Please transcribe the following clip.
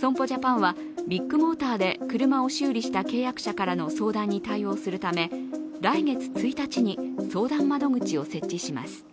損保ジャパンはビッグモーターで車を修理した契約者からの相談に対応するため、来月１日に相談窓口を設置します。